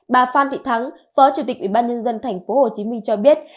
bà phan thị thắng phó chủ tịch ủy ban nhân dân tp hcm cho biết